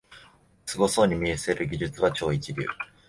すごそうに見せる技術は超一流